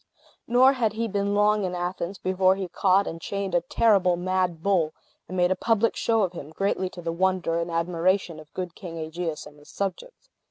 Nor had he been long in Athens before he caught and chained a terrible mad bull, and made a public show of him, greatly to the wonder and admiration of good King Aegeus and his subjects.